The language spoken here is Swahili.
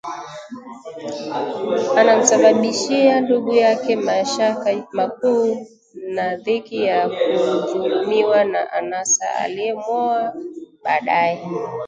anamsababishia ndugu yake mashaka makuu na dhiki ya kudhulumiwa na Anasa aliyemwoa baadaye